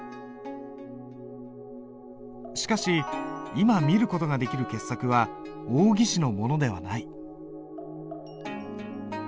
しかし今見る事ができる傑作は王羲之のものではない。